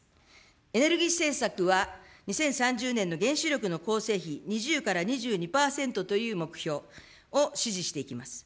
エネルギー政策は、２０３０年の原子力の構成比２０から２２％という目標を支持していきます。